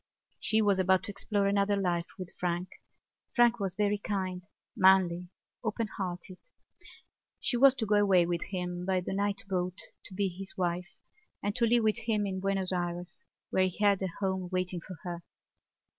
She was about to explore another life with Frank. Frank was very kind, manly, open hearted. She was to go away with him by the night boat to be his wife and to live with him in Buenos Ayres where he had a home waiting for her.